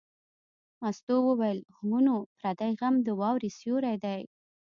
مستو وویل: هو نو پردی غم د واورې سیوری دی.